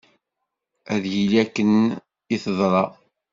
Ad yili akken i teḍra.